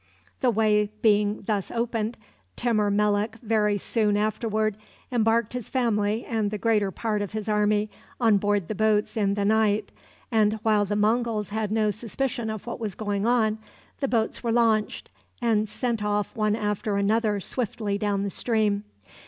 The way being thus opened, Timur Melek very soon afterward embarked his family and the greater part of his army on board the boats in the night; and, while the Monguls had no suspicion of what was going on, the boats were launched, and sent off one after another swiftly down the stream.